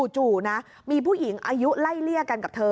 จู่นะมีผู้หญิงอายุไล่เลี่ยกันกับเธอ